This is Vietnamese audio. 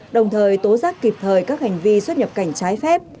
đồng thời tố giác kịp thời các hành vi xuất nhập cảnh trái phép